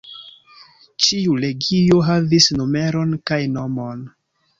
Ĉiu legio havis numeron kaj nomon.